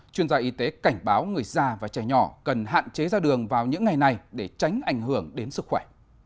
chuyên gia y tế cảnh báo người già và trẻ nhỏ cần hạn chế ra đường vào những ngày này để tránh ảnh hưởng đến sức khỏe